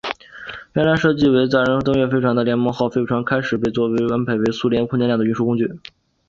原来设计做为载人登月飞船的联盟号飞船开始被安排做苏联空间站的运输工具。